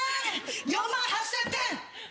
４万８０００点！